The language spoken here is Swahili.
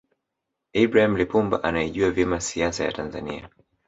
ibrahim Lipumba anaijua vyema siasa ya tanzania